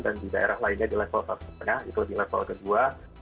dan di daerah lainnya di level satu setengah itu lebih level kedua